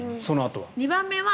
２番目は？